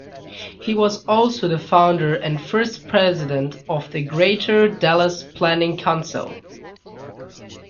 He was also the founder and first president of the Greater Dallas Planning Council.